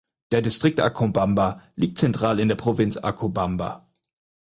Der Distrikt Acobamba liegt zentral in der Provinz Acobamba.